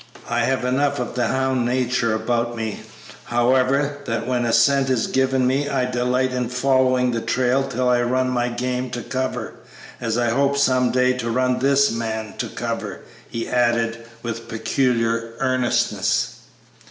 I have enough of the hound nature about me, however, that when a scent is given me I delight in following the trail till I run my game to cover, as I hope some day to run this man to cover," he added, with peculiar earnestness.